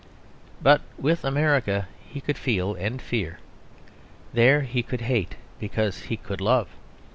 But with America he could feel and fear. There he could hate, because he could love.